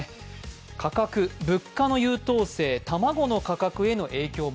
価格、物価の優等生卵の価格への影響も。